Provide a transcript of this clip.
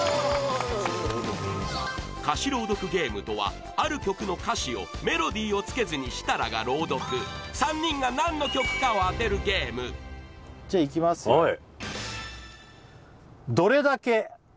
歌詞朗読ゲームとはある曲の歌詞をメロディーをつけずに設楽が朗読３人が何の曲かを当てるゲームじゃあいきますよえはい！